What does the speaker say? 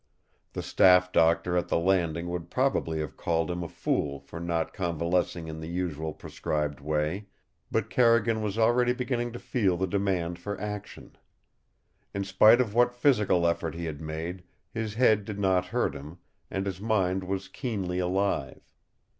The staff doctor at the Landing would probably have called him a fool for not convalescing in the usual prescribed way, but Carrigan was already beginning to feel the demand for action. In spite of what physical effort he had made, his head did not hurt him, and his mind was keenly alive.